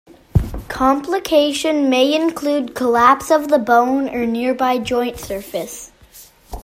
Complication may include collapse of the bone or nearby joint surface.